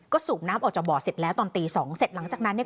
ก็สูบน้ำออกจากบ่อเสร็จแล้วตอนตีสองเสร็จหลังจากนั้นเนี่ย